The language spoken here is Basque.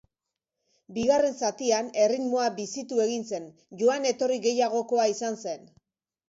Bigarren zatian erritmoa bizitu egin zen, joan etorri gehiagokoa izan zen.